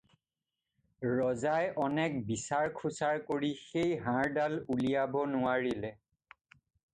ৰজাই অনেক বিচাৰ খোচাৰ কৰি সেই হাৰডাল উলিয়াব নোৱাৰিলে।